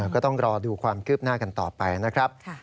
ก็ต้องรอดูความคืบหน้ากันต่อไปนะครับ